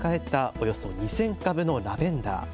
およそ２０００株のラベンダー。